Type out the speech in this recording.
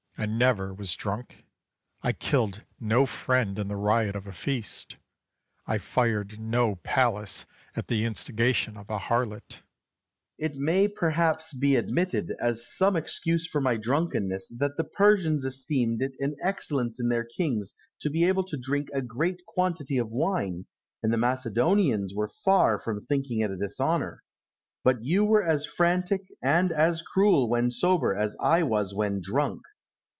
I never was drunk; I killed no friend in the riot of a feast; I fired no palace at the instigation of a harlot. Alexander. It may perhaps be admitted, as some excuse for my drunkenness, that the Persians esteemed it an excellence in their kings to be able to drink a great quantity of wine, and the Macedonians were far from thinking it a dishonour. But you were as frantic and as cruel when sober as I was when drunk.